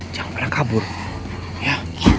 jangan pernah kabur ya